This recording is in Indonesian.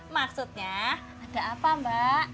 maksudnya ada apa mbak